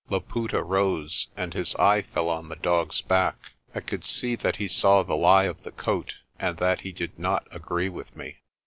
Laputa rose and his eye fell on the dog's back. I could see that he saw the lie of the coat, and that he did not agree with me.